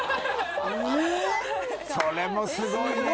それもすごいね。